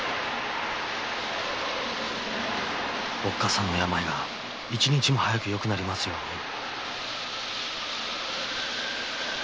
おっかさんの病が一日も早くよくなりますように。